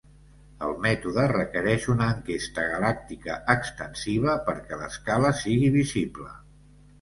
El mètode requereix una enquesta galàctica extensiva perquè l'escala sigui visible.